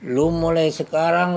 lo mulai sekarang